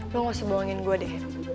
lo gak usah bawangin gue deh